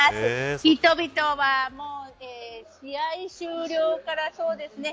人々は試合終了からそうですね